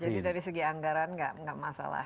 jadi dari segi anggaran tidak masalah